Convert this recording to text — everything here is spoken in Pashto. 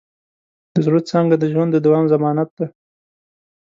د زړۀ څانګه د ژوند د دوام ضمانت ده.